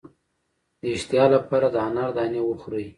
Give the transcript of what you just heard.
د اشتها لپاره د انار دانې وخورئ